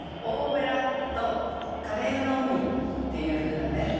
「大ベラ」と「カレーの海」っていうふうなね